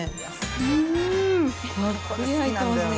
うーん、たっぷり入ってますね。